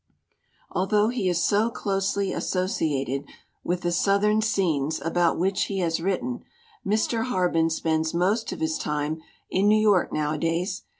Although he is so closely associated with the Southern scenes about which he has written, Mr. Harben spends most of his time in New York nowadays.